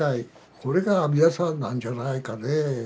これが阿弥陀さんなんじゃないかねえ。